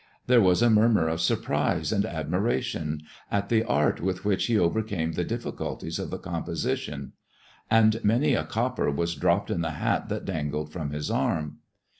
There was a murmur of surprise and admiration at the art with which he overcame the difficulties of the composition, and many a copper was dropped in the hat that dangled from his arm.